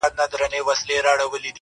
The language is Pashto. ستا د کتاب د ښوونځیو وطن-